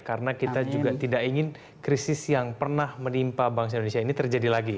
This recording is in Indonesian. karena kita juga tidak ingin krisis yang pernah menimpa bank indonesia ini terjadi lagi